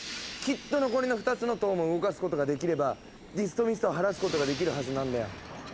きっと残りの２つの塔も動かすことができればディストミストを晴らすことができるはずなんだよ。